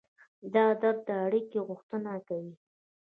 دا درد د اړیکې غوښتنه کوي.